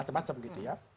macam macam gitu ya